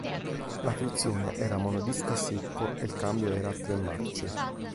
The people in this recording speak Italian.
La frizione era monodisco a secco ed il cambio era a tre marce.